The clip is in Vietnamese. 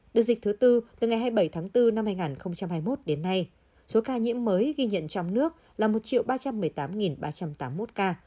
đợt dịch thứ tư từ ngày hai mươi bảy tháng bốn năm hai nghìn hai mươi một đến nay số ca nhiễm mới ghi nhận trong nước là một ba trăm một mươi tám ba trăm tám mươi một ca